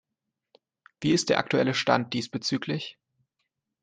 Wie ist der aktuelle Stand diesbezüglich?